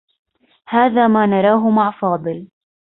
هذا ما نراه مع فاضل.